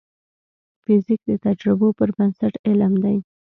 فزیک د تجربو پر بنسټ علم دی.